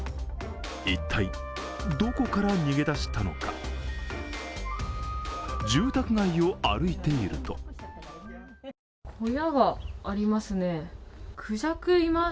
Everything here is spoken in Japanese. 一体、どこから逃げ出したのか住宅街を歩いているとくじゃくいます。